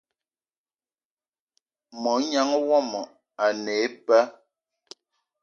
Mognan yomo a ne eba